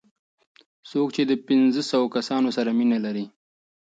څوک چې د پنځوسو کسانو سره مینه لري.